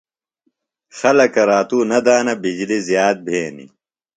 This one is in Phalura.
خلکہ راتُوۡ نہ دانہ۔ بجلیۡ زِیات بھینیۡ۔